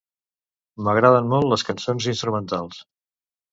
M'agraden molt les cançons instrumentals.